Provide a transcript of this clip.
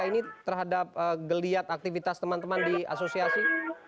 ini terhadap geliat aktivitas teman teman di asosiasi